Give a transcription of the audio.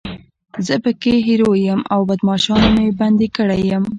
زه پکې هیرو یم او بدماشانو مې بندي کړی یم.